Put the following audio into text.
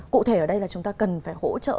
cụ thể ở đây là chúng ta cần phải hỗ trợ